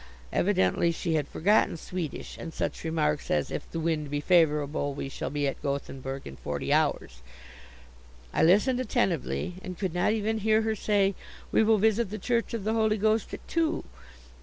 Evidently she had forgotten Swedish, and such remarks as "If the wind be favorable, we shall be at Gothenburg in forty hours." I listened attentively, and could not even hear her say "We will visit the Church of the Holy Ghost at two."